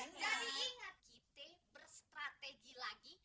jadi ingat kita berstrategi lagi